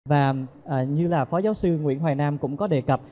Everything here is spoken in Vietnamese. và như là phó giáo sư nguyễn hoài nam cũng có đề cập